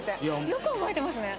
よく覚えてますね。